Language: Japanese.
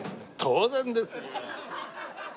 当然ですよ。